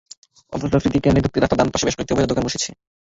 অথচ স্মৃতিকেন্দ্রে ঢুকতেই রাস্তার ডান পাশে বেশ কয়েকটি অবৈধ দোকান বসেছে।